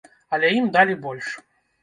Але ім далі больш.